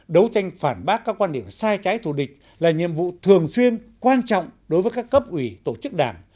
đấu tranh phản bác các quan điểm sai trái thù địch là nhiệm vụ thường xuyên quan trọng đối với các cấp ủy tổ chức đảng